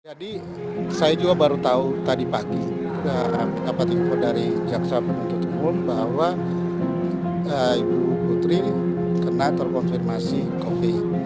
jadi saya juga baru tahu tadi pagi dapat info dari jaksa penutup umum bahwa ibu putri kena terkonfirmasi covid